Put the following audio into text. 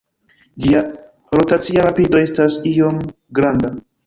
Ĝia rotacia rapido estas iom granda.